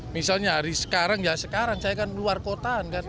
misalnya hari sekarang ya sekarang saya kan luar kotaan kan